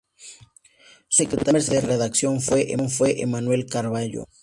Su primer secretario de redacción fue Emmanuel Carballo.